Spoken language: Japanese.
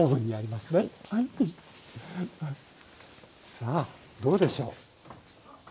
さあどうでしょう？